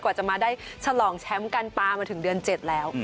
กว่าจะมาได้ฉลองแชมป์กันปลามาถึงเดือน๗แล้ว